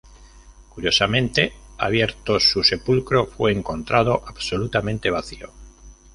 Curiosamente, abierto su sepulcro, fue encontrado absolutamente vacío.